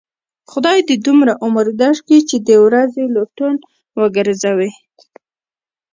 خدای دې دومره عمر در کړي، چې د ورځې لټن و گرځوې.